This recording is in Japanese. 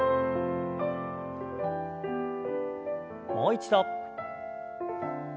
もう一度。